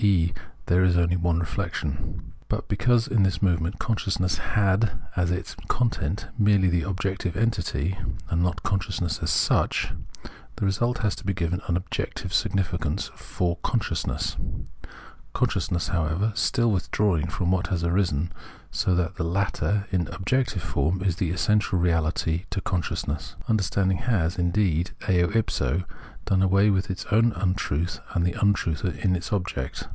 e. there is only one reflection. But because in this movement consciousness had as its content merely the objective entity, and not conscious ness as such, the result has to be given an objective significance for consciousness ; consciousness, however, still withdrawing from what has arisen, so that the latter in objective form is the essential reahty to consciousness. Understanding has, indeed, eo if so, done away with its own untruth and the untruth in its object.